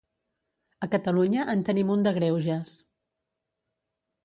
A Catalunya en tenim un de greuges.